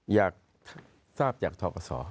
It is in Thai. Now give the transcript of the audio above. อยากทราบจากทกศ